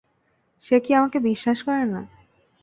সে কি আমাকে বিশ্বাস করে না?